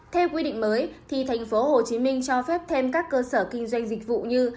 theo quy định mới tp hcm cho phép thêm các cơ sở kinh doanh dịch vụ như